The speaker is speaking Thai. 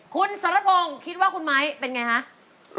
คุณสรพงศ์คิดว่าคุณไม้เป็นไงคะ